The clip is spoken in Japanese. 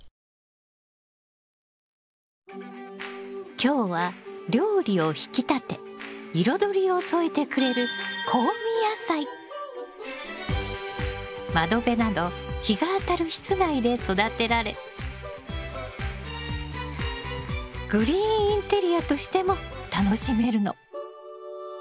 今日は料理を引き立て彩りを添えてくれる窓辺など日が当たる室内で育てられグリーンインテリアとしても楽しめるの。